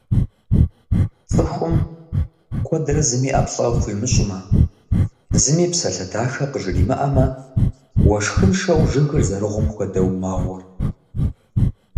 Цӏыхум, куэдрэ зыми ӏэплӏэ къыхуимыщӏмэ, зыми псалъэ дахэ къыжримыӏэмэ, уэшхыншэу жыгыр зэрыгьум хуэдэу мэгъур.